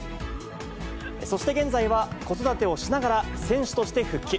そして現在は子育てをしながら選手として復帰。